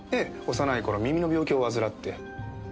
幼い頃耳の病気を患って。